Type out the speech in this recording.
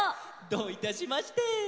どういたしまして。